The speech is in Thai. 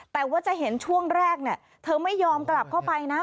แต่ว่าจะเห็นช่วงแรกเธอไม่ยอมกลับเข้าไปนะ